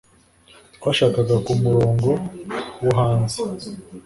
twashakaga kumurongo wo hanze